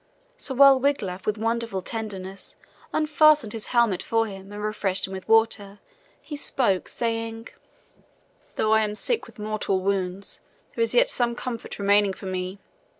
So while Wiglaf with wonderful tenderness unfastened his helmet for him and refreshed him with water, he spoke, saying: "Though I am sick with mortal wounds, there is yet some comfort remaining for me.